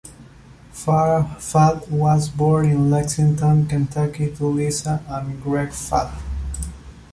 Farah Fath was born in Lexington, Kentucky to Lisa and Greg Fath.